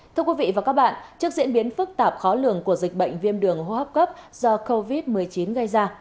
thưa quý vị và các bạn trước diễn biến phức tạp khó lường của dịch bệnh viêm đường hô hấp cấp do covid một mươi chín gây ra